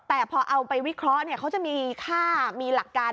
แต่พอเอาไปวิเคราะห์เขาจะมีค่ามีหลักการ